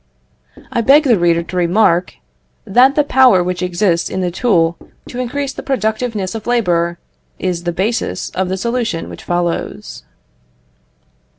I beg the reader to remark, that the power which exists in the tool to increase the productiveness of labour, is the basis of the solution which follows.